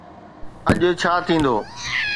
اڄ ڇا ٿيندو؟